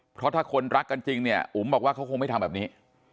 เพราะถ้าคนรักกันจริงเนี่ยอุ๋มบอกว่าเขาคงไม่ทำแบบนี้